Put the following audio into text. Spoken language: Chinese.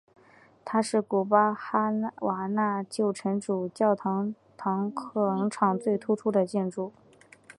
它是古巴哈瓦那旧城主教座堂广场最突出的建筑。